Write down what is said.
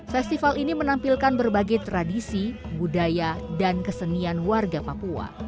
festival ini menampilkan berbagai tradisi budaya dan kesenian wajib